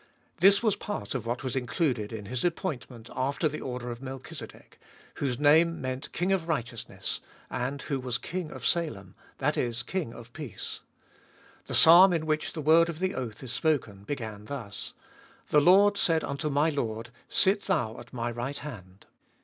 This was part of what was included in His appointment after the order of Melchizedek, whose name meant King of righteousness, and who was King of Salem, that is King of peace. The Psalm in which the word of the oath is spoken began thus : The Lord said unto my Lord, Sit thou at my right hand.